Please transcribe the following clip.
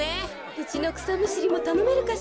うちのくさむしりもたのめるかしら。